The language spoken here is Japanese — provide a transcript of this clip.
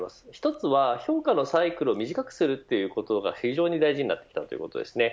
１つは評価のサイクルを短くすることが非常に大事になってきたということです。